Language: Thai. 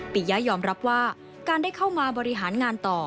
ปียะยอมรับว่าการได้เข้ามาบริหารงานต่อ